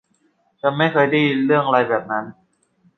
ฉันไม่เคยได้ยินเรื่องอะไรแบบนั้น